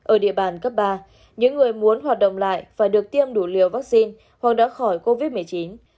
ở địa bàn cấp ba những người muốn hoạt động lại phải được tiêm đủ liều vaccine hoặc đã khỏi covid một mươi chín